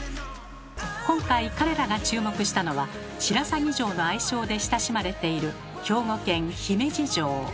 今回彼らが注目したのは「白鷺城」の愛称で親しまれている兵庫県姫路城。